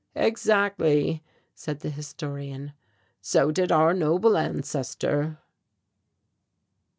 "Exactly," said the Historian; "so did our noble ancestor."